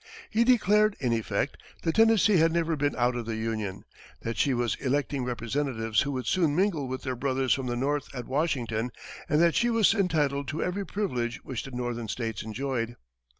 He declared, in effect, that Tennessee had never been out of the Union, that she was electing representatives who would soon mingle with their brothers from the North at Washington, and that she was entitled to every privilege which the northern states enjoyed.